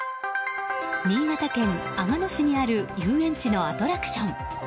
新潟県阿賀野市にある遊園地のアトラクション。